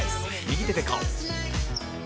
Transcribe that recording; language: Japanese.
右手で顔